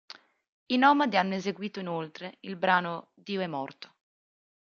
I Nomadi hanno eseguito inoltre il brano "Dio è morto".